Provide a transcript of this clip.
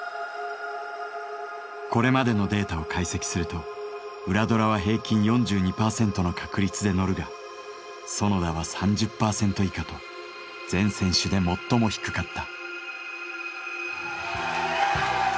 これまでのデータを解析すると裏ドラは平均４２％の確率でのるが園田は３０％以下と全選手で最も低かった。